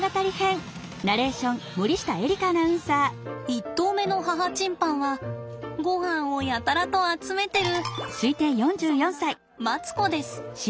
１頭目の母チンパンはごはんをやたらと集めてるその名はマツコです。